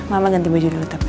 mama ganti baju dulu tapi